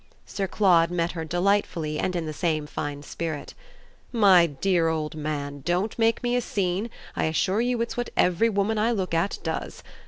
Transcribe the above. Sir Claude met her delightfully and in the same fine spirit. "My dear old man, don't make me a scene I assure you it's what every woman I look at does.